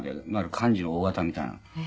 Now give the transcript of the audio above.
幹事の大型みたいな。